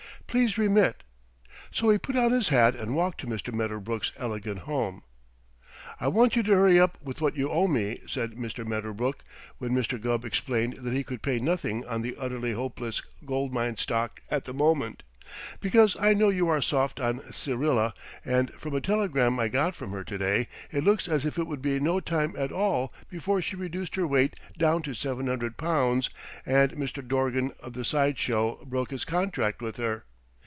Please remit," so he put on his hat and walked to Mr. Medderbrook's elegant home. "I want you to hurry up with what you owe me," said Mr. Medderbrook, when Mr. Gubb explained that he could pay nothing on the Utterly Hopeless Gold Mine stock at the moment, "because I know you are soft on Syrilla, and from a telegram I got from her to day it looks as if it would be no time at all before she reduced her weight down to seven hundred pounds and Mr. Dorgan of the side show broke his contract with her.